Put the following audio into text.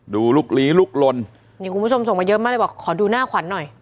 ลุกลี้ลุกลนนี่คุณผู้ชมส่งมาเยอะมากเลยบอกขอดูหน้าขวัญหน่อย